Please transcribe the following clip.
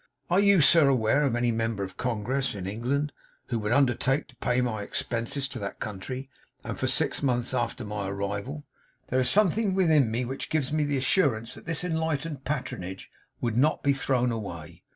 'Are you, sir, aware of any member of Congress in England, who would undertake to pay my expenses to that country, and for six months after my arrival? 'There is something within me which gives me the assurance that this enlightened patronage would not be thrown away.